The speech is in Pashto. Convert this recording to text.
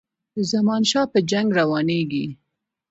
د زمانشاه په جنګ روانیږي.